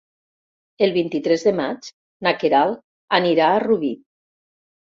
El vint-i-tres de maig na Queralt anirà a Rubí.